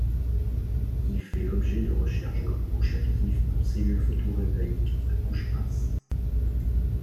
Il fait l'objet de recherches comme couche active pour cellules photovoltaïques à couches minces.